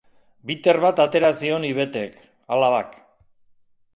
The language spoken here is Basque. Bitter bat ateratu zion Yvettek, alabak.